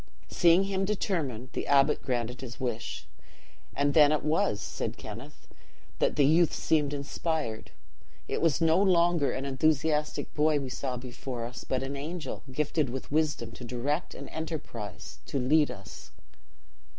"Seeing him determined the abbot granted his wish; 'and then it was,' said Kenneth, 'that the youth seemed inspired. It was no longer an enthusiastic boy we saw before us, but an angel, gifted with wisdom to direct and enterprise to lead us.